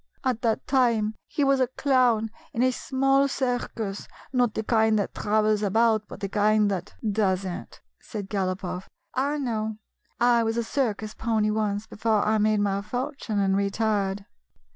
At that time he was a clown in a small circus — not the kind that travels about, but the kind that —"" Does n't," said Galopoff. "I know: I was a circus pony once, before I made my fortune and retired."